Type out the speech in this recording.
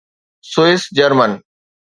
Swiss German